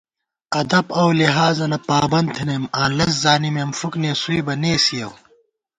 ادب اؤ لِحاظَنہ پابند تھنَئیم آں لَز زانِمېم ، فُک نېسُوئیبہ نېسِیَؤ